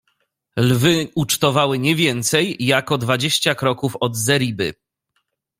Lwy ucztowały nie więcej, jak o dwadzieścia kroków od zeriby.